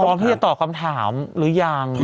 พร้อมที่จะตอบคำถามหรือยัง